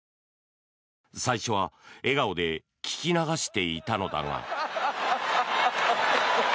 最初は笑顔で聞き流していたのだが。